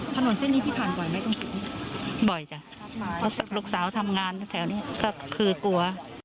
ผ่านบ่อยจ๊ะลูกสาวทำงานแถวนี้แค่คือกลัว